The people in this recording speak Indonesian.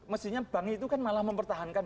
mestinya bank itu kan malah mempertahankan